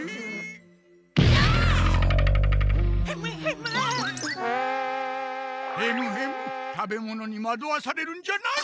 ヘムヘム食べ物にまどわされるんじゃない。